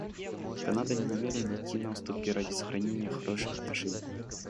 Канада не намерена идти на уступки ради сохранения хороших отношений.